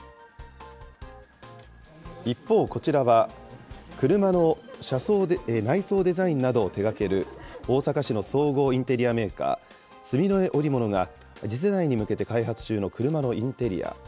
一方、こちらは車の内装デザインなどを手がける大阪市の総合インテリアメーカー、住江織物が、次世代に向けて開発中の車のインテリア。